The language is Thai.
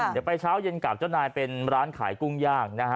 เดี๋ยวไปเช้าเย็นกลับเจ้านายเป็นร้านขายกุ้งย่างนะฮะ